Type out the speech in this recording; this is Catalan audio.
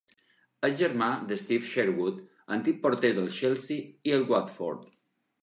És germà de Steve Sherwood, antic porter del Chelsea i el Watford.